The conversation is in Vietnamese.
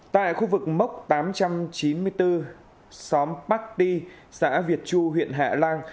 tại khu vực mốc tám trăm chín mươi bốn xóm bắc đi xã việt chu huyện hạ lan